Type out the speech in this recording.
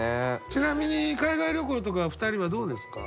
ちなみに海外旅行とかは２人はどうですか？